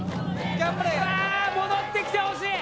わあ戻ってきてほしい。